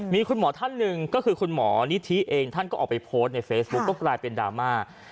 มีคุณหมอท่านหนึ่งก็คือคุณหมอนิธิเองท่านก็ออกไปโพสต์ในเฟซบุ๊กก็กลายเป็นดราม่า